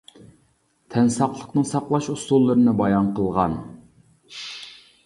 تەن ساقلىقنى ساقلاش ئۇسۇللىرىنى بايان قىلغان.